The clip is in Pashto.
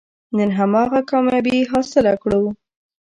نن هماغه کامیابي حاصله کړو.